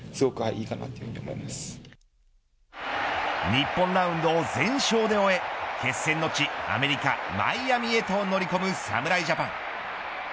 日本ラウンドを全勝で終え決戦の地アメリカ、マイアミへと乗り込む侍ジャパン。